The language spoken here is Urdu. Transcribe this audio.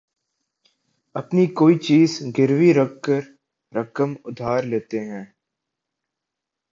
اپنی کوئی چیز گروی رکھ کر رقم ادھار لیتے ہیں